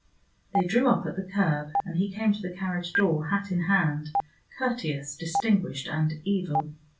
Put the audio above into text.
They drew up at the curb, and he came to the carriage door, hat in hand, courteous, distinguished and evil.